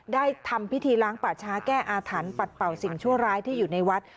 ได้ทำพิธีล้างปัชฌาแก้อาถรรพ์ปล่อยสิ่งชั่วร้ายที่อยู่ในวัด